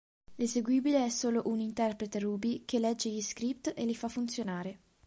L'eseguibile è solo un interprete Ruby che legge gli script e li fa funzionare.